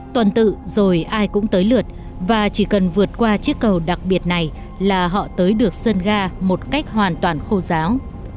tuần tự rồi ai cũng tới lượt và chỉ cần vượt qua chiếc cầu đặc biệt này là họ tới được sơn ga một cách hoàn toàn khô giáo